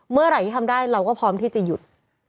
เมื่อไหร่ที่ทำได้เราก็พร้อมที่จะหยุด